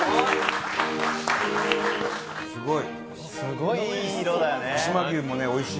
すごい。